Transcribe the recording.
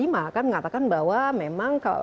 mengatakan bahwa memang